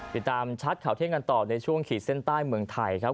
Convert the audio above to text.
ติดตามชัดข่าวเที่ยงกันต่อในช่วงขีดเส้นใต้เมืองไทยครับ